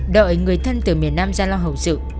đợi người thân từ miền nam ra lo hậu sự